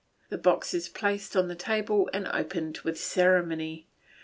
The box is placed on the table and opened with great ceremony.